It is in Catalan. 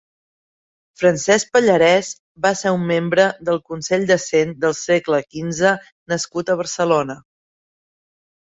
Francesc Pallarès va ser un membre del Consell de Cent del segle quinze nascut a Barcelona.